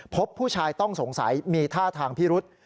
พบผู้ชายต้องสงสัยมีท่าทางพิรุษ